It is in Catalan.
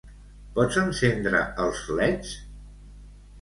Pots encendre els leds?